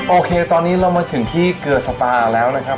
โอเคตอนนี้เรามาถึงที่เกลือสปาแล้วนะครับ